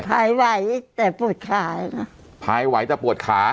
หายไหวแต่ปวดขาค่ะพายไหวแต่ปวดขา